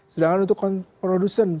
sedangkan untuk kon produsen